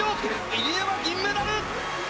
入江は銀メダル！